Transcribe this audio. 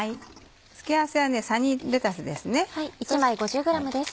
付け合わせはサニーレタスです。